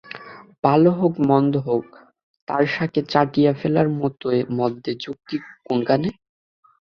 ভালো হোক মন্দ হোক, তার সাকে ছাঁটিয়া ফেলার মধ্যে যুক্তি আছে কোনখানে?